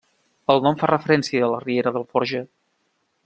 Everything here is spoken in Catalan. El nom fa referència a la riera d'Alforja.